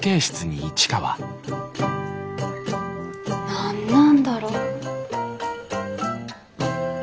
何なんだろ。